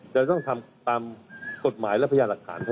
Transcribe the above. แต่ต้องทำตามกฎหมายและพยานหลักฐานเท่านั้นครับ